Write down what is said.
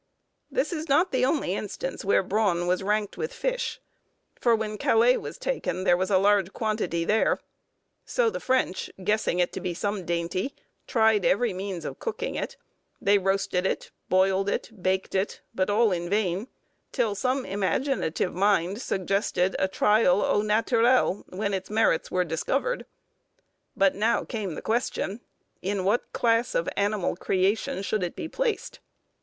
This is not the only instance where brawn was ranked with fish; for when Calais was taken, there was a large quantity there; so the French, guessing it to be some dainty, tried every means of cooking it; they roasted it, boiled it, baked it, but all in vain, till some imaginative mind suggested a trial au naturel, when its merits were discovered. But now came the question, in what class of the animal creation should it be placed?